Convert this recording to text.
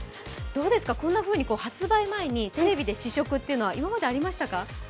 どうですか、こんなふうに発売前にテレビで試食って今までありましたか？